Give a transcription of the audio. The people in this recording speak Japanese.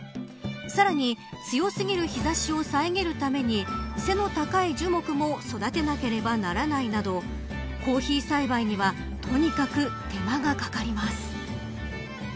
さらに強すぎる日差しを遮るために背の高い樹木も育てなければならないなどコーヒー栽培にはとにかく手間がかかります。